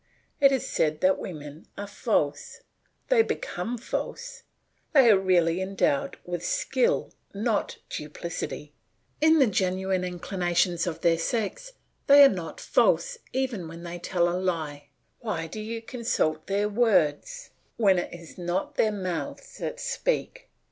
It is said that women are false. They become false. They are really endowed with skill not duplicity; in the genuine inclinations of their sex they are not false even when they tell a lie. Why do you consult their words when it is not their mouths that speak?